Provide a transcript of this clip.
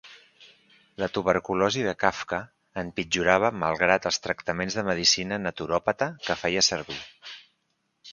La tuberculosi de Kafka empitjorava malgrat els tractaments de medicina naturòpata que feia servir.